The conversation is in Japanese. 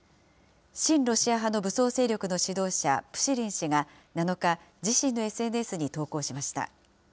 親ロシア派の武装勢力の指導者、プシリン氏が７日、自身のＳＮＳに投稿しました。